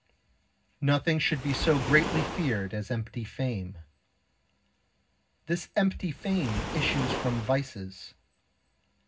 Nothing should be so greatly feared as empty fame. This empty fame issues from vices.